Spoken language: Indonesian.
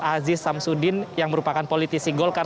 aziz samsudin yang merupakan politisi golkar